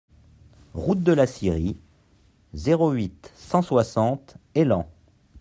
Route de la Scierie, zéro huit, cent soixante Élan